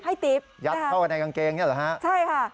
อ๋อให้ติ๊บยัดเข้ากันในกางเกงนี่หรือฮะใช่ค่ะให้ติ๊บใช่ค่ะ